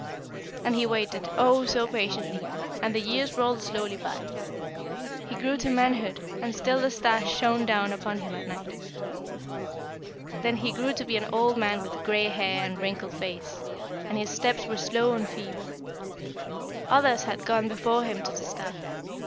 "And he waited, oh! so patiently, and the years rolled slowly by. He grew to manhood, and still the star shone down upon him at night. Then he grew to be an old man with gray hair and wrinkled face, and his steps were slow and feeble. Others had gone before him to the star.